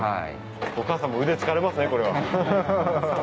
お母さんも腕疲れますねこれは。